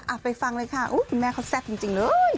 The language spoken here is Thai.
ไปฟังเลยค่ะคุณแม่เขาแซ่บจริงเลย